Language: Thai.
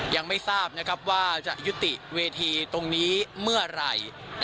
ยังไม่ทราบว่าจะยุติเวทีตรงนี้เมื่อไหร่